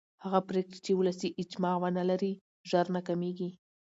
هغه پرېکړې چې ولسي اجماع ونه لري ژر ناکامېږي